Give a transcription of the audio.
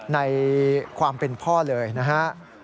ในความเป็นพ่อเลยนะฮะ